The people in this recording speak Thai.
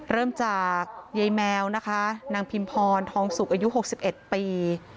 เริ่มจากยายแมวนะคะนางพิมพรทองสุกอายุ๖๑ปี